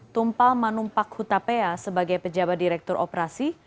tumpal manumpak hutapea sebagai pejabat direktur operasi